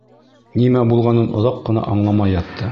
Нимә булғанын оҙаҡ ҡына аңламай ятты.